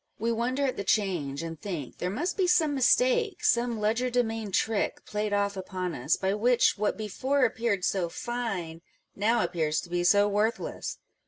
We wonder at the change, and think there must be some mistake, some legerdemain trick played off upon us, by which what before appeared so fine now appears to be so worthless.